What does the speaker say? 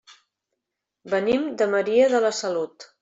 Venim de Maria de la Salut.